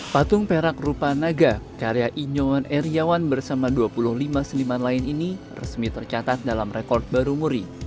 patung perak rupa naga karya inyowan eriawan bersama dua puluh lima seniman lain ini resmi tercatat dalam rekor baru muri